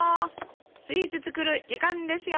スイーツ作る時間ですよ。